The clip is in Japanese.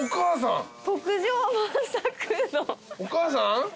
お母さん。